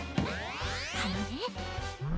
あのね。